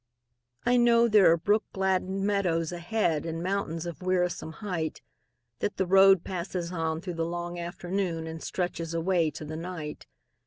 I know there are brook gladdened meadows ahead, And mountains of wearisome height; That the road passes on through the long afternoon And stretches away to the night.